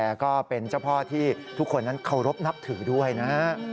แล้วก็เป็นเจ้าพ่อที่ทุกคนนั้นเคารพนับถือด้วยนะฮะ